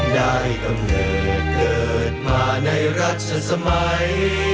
ได้กำเนิดเกิดมาในรัชสมัย